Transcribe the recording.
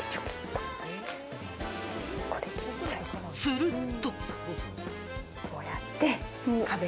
すると。